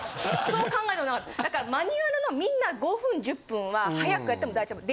そう考えたことなかっただからマニュアルのみんな５分１０分は早くやっても大丈夫。